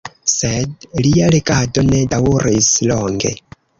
Sed lia regado ne daŭris longe.